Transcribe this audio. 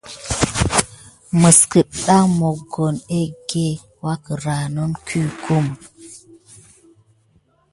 Mis kildan kuran mokone nok kikule kum wuké tida tatkizane.